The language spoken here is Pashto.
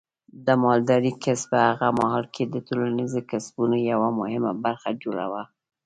د مالدارۍ کسب په هغه مهال کې د ټولنیزو کسبونو یوه مهمه برخه جوړوله.